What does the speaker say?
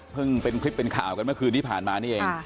เป็นคลิปเป็นข่าวกันเมื่อคืนที่ผ่านมานี่เอง